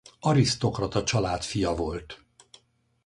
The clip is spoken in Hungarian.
Arisztokrata család fia volt.